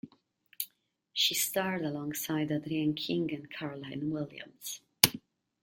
She starred alongside Adrienne King and Caroline Williams.